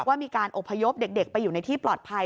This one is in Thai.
ว่ามีการอบพยพเด็กไปอยู่ในที่ปลอดภัย